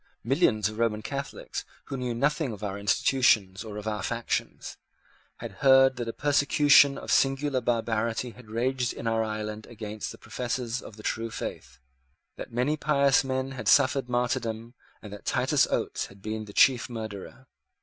Millions of Roman Catholics, who knew nothing of our institutions or of our factions, had heard that a persecution of singular barbarity had raged in our island against the professors of the true faith, that many pious men had suffered martyrdom, and that Titus Oates had been the chief murderer.